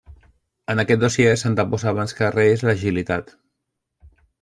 En aquest dossier s'anteposa abans que res l'agilitat.